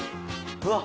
うわっ！